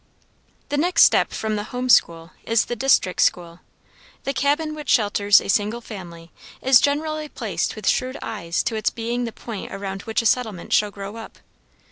The next step from the home school is the district school. The cabin which shelters a single family is generally placed with shrewd eyes to its being the point around which a settlement shall grow up.